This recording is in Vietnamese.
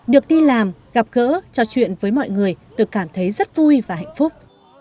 được đi làm gặp gỡ trò chuyện với mọi người tôi cảm thấy rất vui và hạnh phúc